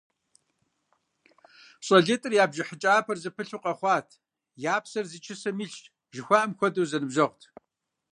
ЩӀалитӀыр я бжьыхьэкӀапэр зэпылъу къэхъуат, «я псэр зы чысэм илъщ» жыхуаӀэм хуэдэу зэныбжьэгъут.